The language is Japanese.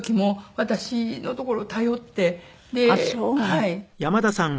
はい。